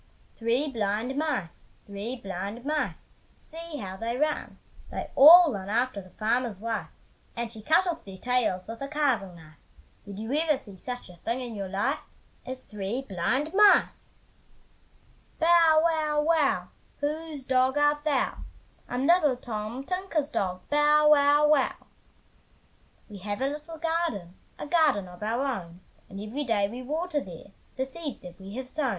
Three blind mice, three blind mice, See how they run! They all run after the farmer's wife, And she cut off their tails with a carving knife, Did you ever see such a thing in your life As three blind mice! Bow, wow, wow! Whose dog art thou? "I'm little Tom Tinker's dog, Bow, wow, wow!" We have a little garden, A garden of our own, And every day we water there The seeds that we have sown.